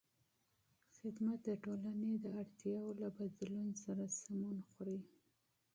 خدمت د ټولنې د اړتیاوو له بدلون سره سمون خوري.